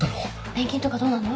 年金とかどうなの？